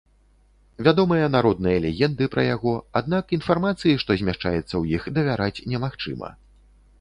Вядомыя народныя легенды пра яго, аднак інфармацыі, што змяшчаецца ў іх, давяраць немагчыма.